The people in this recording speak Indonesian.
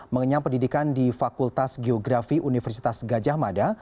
mengenyam pendidikan di fakultas geografi universitas gajah mada